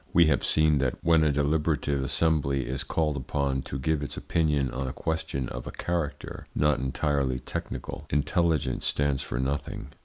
We have seen that when a deliberative assembly is called upon to give its opinion on a question of a character not entirely technical, intelligence stands for nothing.